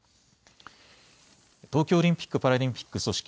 東京オリンピック・パラリンピック組織